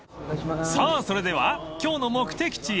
［さあそれでは今日の目的地へ］